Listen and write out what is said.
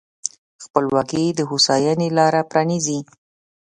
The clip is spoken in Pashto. خپلواکي د هوساینې لاره پرانیزي.